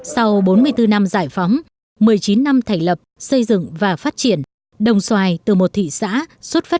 sau bốn mươi bốn năm giải phóng một mươi chín năm thành lập xây dựng và phát triển đồng xoài từ một thị xã xuất phát